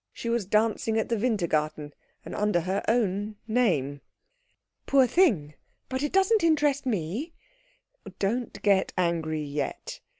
She was dancing at the Wintergarten, and under her own name." "Poor thing. But it doesn't interest me." "Don't get angry yet."